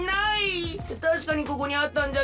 たしかにここにあったんじゃけど。